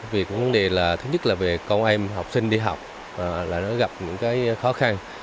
vì cái vấn đề là thứ nhất là về con em học sinh đi học là nó gặp những cái khó khăn